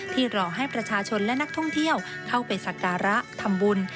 รอให้ประชาชนและนักท่องเที่ยวเข้าไปสักการะทำบุญ